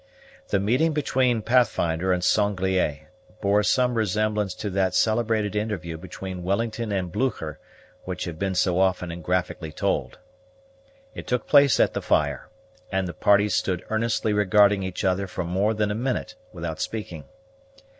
The meeting between Pathfinder and Sanglier bore some resemblance to that celebrated interview between Wellington and Blucher which has been so often and graphically told. It took place at the fire; and the parties stood earnestly regarding each other for more than a minute without speaking.